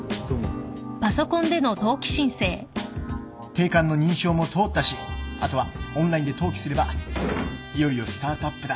定款の認証も通ったしあとはオンラインで登記すればいよいよスタートアップだ。